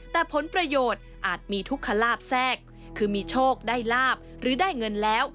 แต่ผลประโยชน์อาจมีทุกขลาบแทรกคือมีโชคได้ลาบหรือได้เงินแล้ว